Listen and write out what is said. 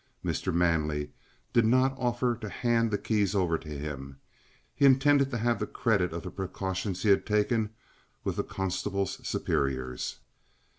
Mr. Manley did not offer to hand the keys over to him. He intended to have the credit of the precautions he had taken with the constable's superiors.